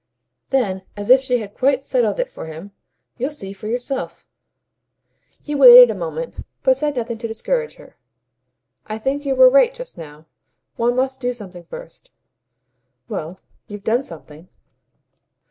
Then as if she had quite settled it for him: "You'll see for yourself." He waited a moment, but said nothing to discourage her. "I think you were right just now. One must do something first." "Well, you've done something."